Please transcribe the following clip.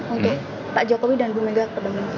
untuk pak jokowi dan bumegawati